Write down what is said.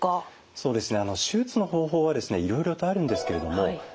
そうですね。